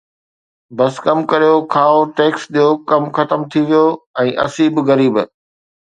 بس ڪم ڪريو، کائو، ٽيڪس ڏيو، ڪم ختم ٿي ويو ۽ اسين به غريب